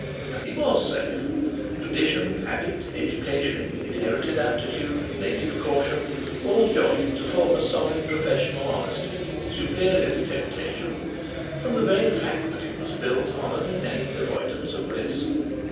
And he was safe. Tradition, habit, education, inherited aptitude, native caution, all joined to form a solid professional honesty, superior to temptation—from the very fact that it was built on an innate avoidance of risk.